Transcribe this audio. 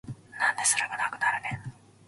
なんですぐなくなるねん